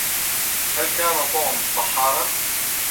هل كان توم بحاراً ؟